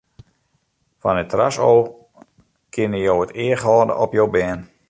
Fan it terras ôf kinne jo it each hâlde op jo bern.